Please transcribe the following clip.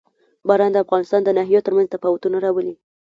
باران د افغانستان د ناحیو ترمنځ تفاوتونه راولي.